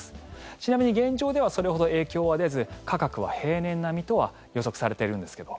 ちなみに現状ではそれほど影響は出ず価格は平年並みとは予測されてるんですけど。